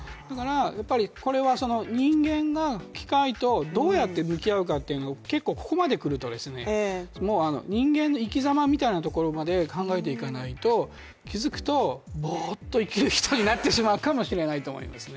これは人間が機械とどうやって向き合うかというのを、結構ここまでくると、もう人間の生きざまみたいなところまで考えていかないと、気づくとぼーっと生きる人になってしまうかもしれないと思いますね。